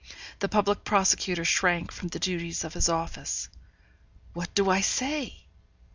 The public prosecutor shrank from the duties of his office. What do I say?